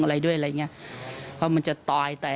อารมณ์แหล่งนึงค่ะ